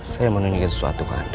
saya mau nunggu sesuatu ke anda